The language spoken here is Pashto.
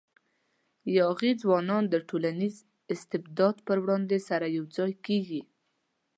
یاغي ځوانان د ټولنیز استبداد پر وړاندې سره یو ځای کېږي.